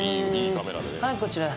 はいこちら。